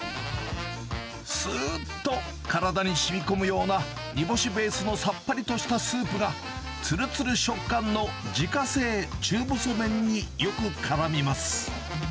すーっと体にしみこむような、煮干しベースのさっぱりとしたスープが、つるつる食感の自家製中細麺によく絡みます。